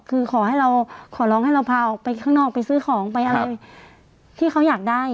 คือขอให้เราขอร้องให้เราพาออกไปข้างนอกไปซื้อของไปอะไรที่เขาอยากได้